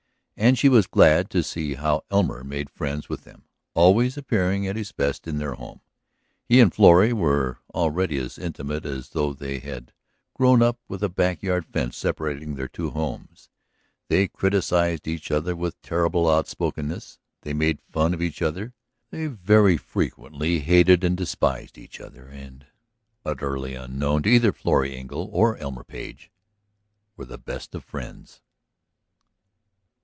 And she was glad to see how Elmer made friends with them, always appearing at his best in their home. He and Florrie were already as intimate as though they had grown up with a back yard fence separating their two homes; they criticised each other with terrible outspokenness, they made fun of each other, they very frequently "hated and despised" each other and, utterly unknown to either Florrie Engle or Elmer Page, were the best of friends.